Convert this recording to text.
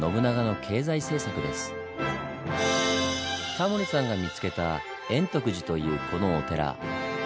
タモリさんが見つけた円徳寺というこのお寺。